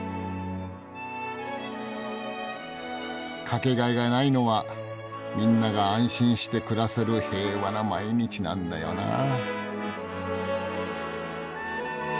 掛けがえがないのはみんなが安心して暮らせる平和な毎日なんだよなぁ。